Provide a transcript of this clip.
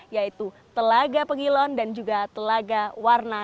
yaitu telaga pengilon dan juga telaga warna